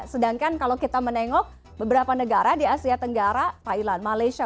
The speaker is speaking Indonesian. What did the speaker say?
sedangkan kalau kita menengok beberapa negara di asia tenggara thailand malaysia